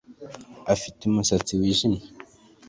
Afite umusatsi wijimye